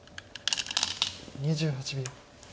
２８秒。